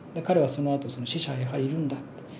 彼はそのあと死者はやはりいるんだって。